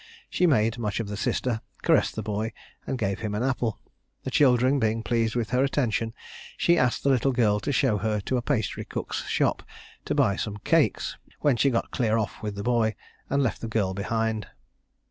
She made much of the sister, caressed the boy, and gave him an apple. The children being pleased with her attention, she asked the little girl to show her to a pastry cook's shop to buy some cakes, when she got clear off with the boy, and left the girl behind.